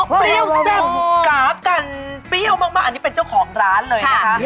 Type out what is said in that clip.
เปรี้ยวแซ่บกราฟกันเปรี้ยวมากอันนี้เป็นเจ้าของร้านเลยนะคะ